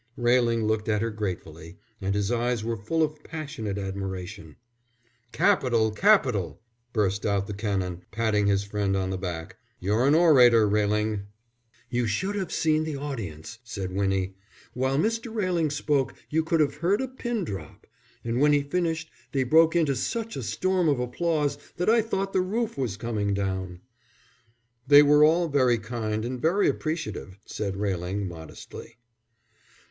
Railing looked at her gratefully, and his eyes were full of passionate admiration. "Capital, capital!" burst out the Canon, patting his friend on the back. "You're an orator, Railing." "You should have seen the audience," said Winnie. "While Mr. Railing spoke you could have heard a pin drop. And when he finished they broke into such a storm of applause that I thought the roof was coming down." "They were all very kind and very appreciative," said Railing, modestly.